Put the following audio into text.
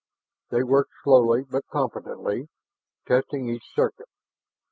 They worked slowly but competently, testing each circuit.